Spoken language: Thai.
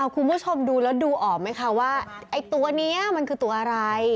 คุณผู้ชมดูแล้วดูออกไหมคะว่าไอ้ตัวนี้มันคือตัวอะไร